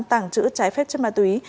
tạng chữ trái phép chất ma túy